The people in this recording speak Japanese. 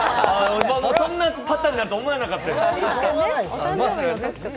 そんなパターンになるとは思わなかったです。